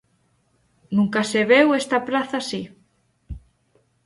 Nunca se veu esta praza así.